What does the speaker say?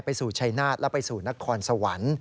ไปสู่ชายนาตและไปสู่นครสวรรค์